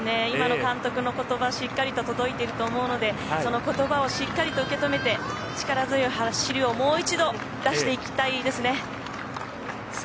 今の監督の言葉しっかりと届いていると思うのでその言葉をしっかりと受け止めて力強い走りをもう一度出していきたいですね。